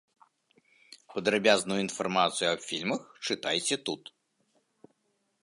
Падрабязную інфармацыю аб фільмах чытайце тут.